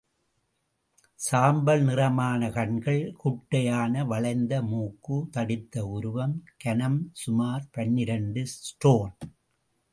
சாம்பல் நிறமான கண்கள், குட்டையான வளைந்த மூக்கு, தடித்த உருவம், கனம் சுமார் பனிரண்டு ஸ்டோன்.